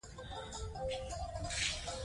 ډاکتر وویل چې درمل باید په سمه توګه وکارول شي.